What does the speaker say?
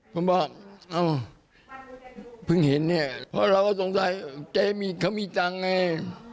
ผมบอกเอ่อพึ่งเห็นนี่เพราะเราก็สงสัยเจ๊มีร์เขามีเงินไง